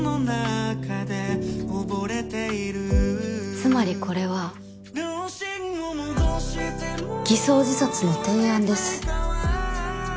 つまりこれは偽装自殺の提案です。